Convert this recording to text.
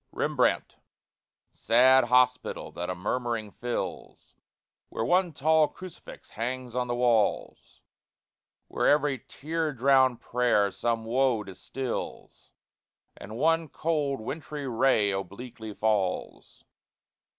REMBRANDT, sad hospital that a murmuring fills, Where one tall crucifix hangs on the walls, Where every tear drowned prayer some woe distils, And one cold, wintry ray obliquely falls.